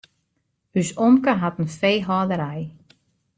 Us omke hat in feehâlderij.